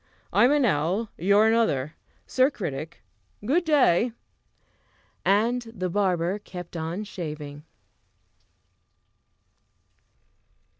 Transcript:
I'm an owl; you're another. Sir Critic, good day!" And the barber kept on shaving.